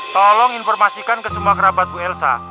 tolong informasikan ke semua kerabat bu elsa